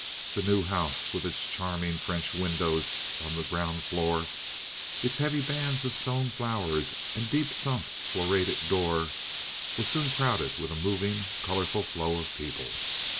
The new house, with its charming French windows on the ground floor, its heavy bands of stone flowers and deep sunk florated door, was soon crowded with a moving, colorful flow of people.